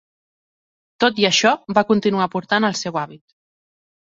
Tot i això, va continuar portant el seu hàbit.